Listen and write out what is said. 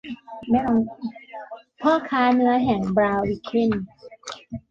พ่อค้าเนื้อแห่งบลาวิเคน